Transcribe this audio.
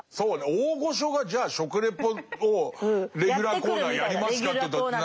大御所がじゃあ食レポをレギュラーコーナーやりますかというとなかなか。